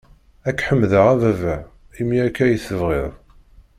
Ad k-ḥemdeɣ a Baba, imi akka i tebɣiḍ!